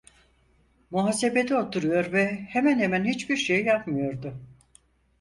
Muhasebede oturuyor ve hemen hemen hiçbir şey yapmıyordu.